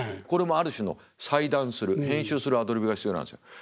これもある種の裁断する編集するアドリブが必要なんですよ。